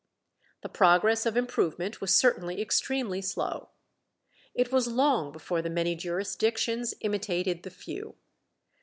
The progress of improvement was certainly extremely slow. It was long before the many jurisdictions imitated the few.